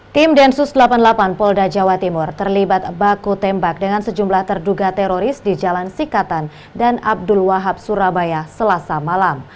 tim densus delapan puluh delapan polda jawa timur terlibat baku tembak dengan sejumlah terduga teroris di jalan sikatan dan abdul wahab surabaya selasa malam